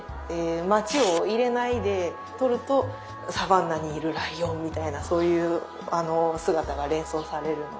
町を入れないで撮るとサバンナにいるライオンみたいなそういう姿が連想されるので。